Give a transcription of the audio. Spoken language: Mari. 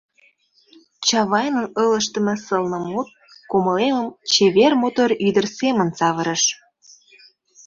Чавайнын ылыжтыме сылнымут кумылемым чевер-мотор ӱдыр семын савырыш.